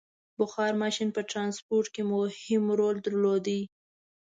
• بخار ماشین په ټرانسپورټ کې مهم رول درلود.